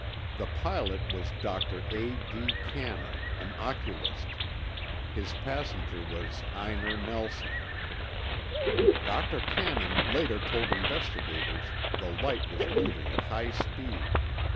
The pilot was Dr. A. D. Cannon, an oculist; his passenger was Einar Nelson. Dr. Cannon later told investigators the light was moving at high speed.